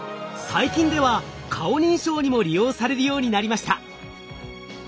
最近では顔認証にも利用されるようになりました。